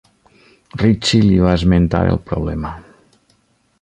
Ritchie li va esmentar el problema.